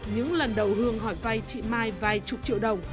những lần đầu hương hỏi vay chị mai vài chục triệu đồng